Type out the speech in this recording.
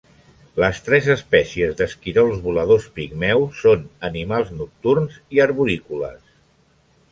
Les tres espècies d'esquirols voladors pigmeus són animals nocturns i arborícoles.